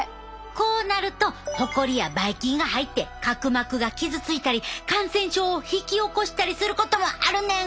こうなるとホコリやばい菌が入って角膜が傷ついたり感染症を引き起こしたりすることもあるねん！